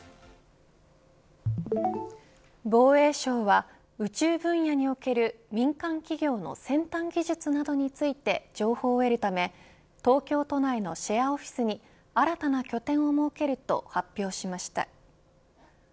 防衛省は宇宙分野における民間企業の先端技術などについて情報を得るため東京都内のシェアオフィスに新たな拠点を設けると発表しました。